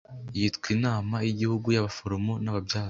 Yitwa Inama y’Igihugu y’abaforomo n ababyaza